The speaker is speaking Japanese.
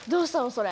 それ。